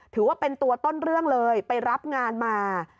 ถือว่าเป็นตัวต้นเรื่องเลยไปรับงานมา